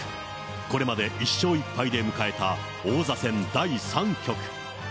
これまで１勝１敗で迎えた王座戦第３局。